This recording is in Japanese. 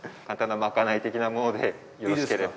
まかない的なものでよろしければ。